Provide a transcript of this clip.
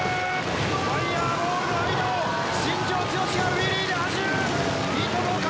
ファイヤーボールの間を新庄剛志がウィリーで走る！